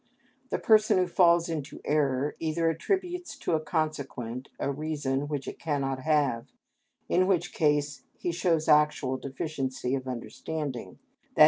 The person who falls into error, either attributes to a consequent a reason which it cannot have, in which case he shows actual deficiency of understanding, _i.